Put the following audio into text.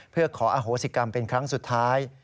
เพื่อขออโหสิกรรมเป็นครั้งสุดท้าย